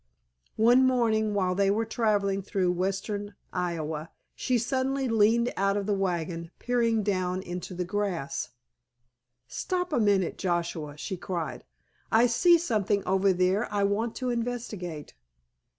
One morning while they were traveling through western Iowa she suddenly leaned out of the wagon peering down into the grass. "Stop a minute, Joshua," she cried, "I see something over there I want to investigate.